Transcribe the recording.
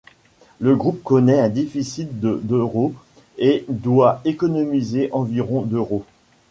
Le groupe connaît un déficit de d'euros et doit économiser environ d'euros.